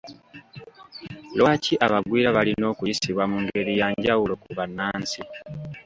Lwaki abagwira balina okuyisibwa mu ngeri ya njawulo ku bannansi?